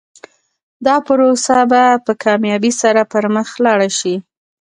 دا پروسه به په کامیابۍ سره پر مخ لاړه شي.